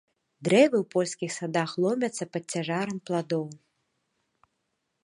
Дрэвы ў польскіх садах ломяцца пад цяжарам пладоў.